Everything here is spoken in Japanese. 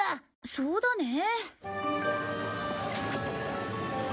そうだね。